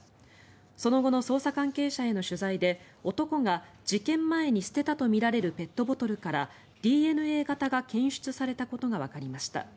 その後の捜査関係者への取材で男が事件前に捨てたとみられるペットボトルからＤＮＡ型が検出されたことがわかりました。